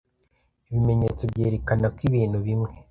ibimenyetso byerekana ko ibintu bimwe